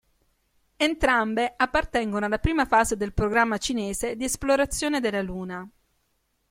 Entrambe appartengono alla prima fase del Programma cinese di esplorazione della Luna.